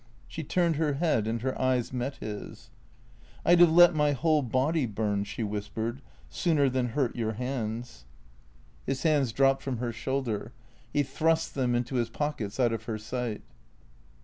She turned her head and her eyes met his. " I 'd have let my whole body burn," she whispered, " sooner than hurt — your hands." 15 234 THE CREATORS His hands dropped from her shoulder. He thrust them into his pockets out of her sight.